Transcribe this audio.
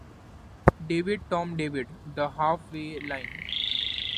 David, Tom David, the half-way line.